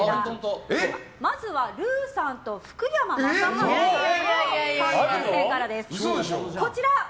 まずはルーさんと福山雅治さんの関係性からです。